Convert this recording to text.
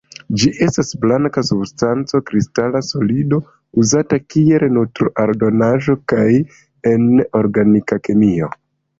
Ĝi estas blanka substanco, kristala solido, uzata kiel nutro-aldonaĵo kaj en organika kemio.